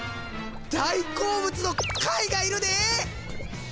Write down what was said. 大好物の貝がいるで！